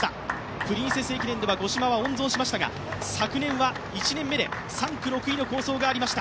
プリンセス駅伝では五島は温存しましたが昨年は１年目で３区６位の好走がありました。